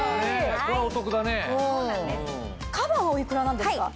カバーはお幾らなんですか？